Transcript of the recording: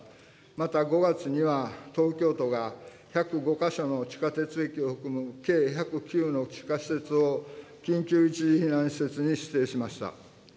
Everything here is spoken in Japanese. また、５月には東京都が１０５か所の地下鉄駅を含む計１０９の地下施設を緊急一時避難施設に指定しました。